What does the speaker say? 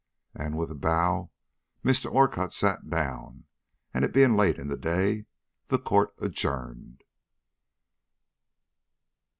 And with a bow, Mr. Orcutt sat down, and, it being late in the day, the court adjourned.